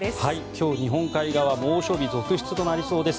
今日、日本海側猛暑日続出となりそうです。